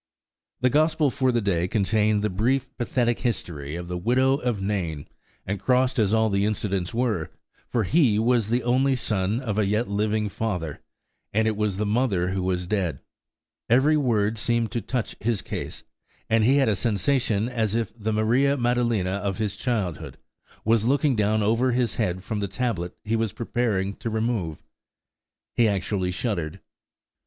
The Gospel for the day contained the brief, pathetic history of the widow of Nain; and crossed as all the incidents were,–for he was the only son of a yet living father, and it was the mother who was dead–every word seemed to touch his case, and he had a sensation as if the Maria Maddalena of his childhood was looking down over his head from the tablet he was preparing to remove. He actually shuddered.